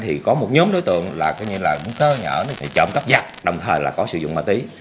thì có một nhóm đối tượng là những tơ nhở trộm cấp giáp đồng thời là có sử dụng mạ tí